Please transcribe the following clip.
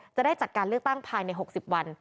จะได้จัดการเลือกตั้งภายใน๖๐วัน